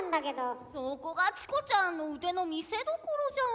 そこがチコちゃんの腕の見せどころじゃん。